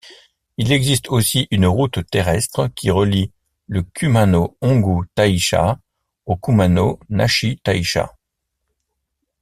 Il existe aussi une route terrestre qui relie le Kumano Hongū-taisha au Kumano Nachi-taisha.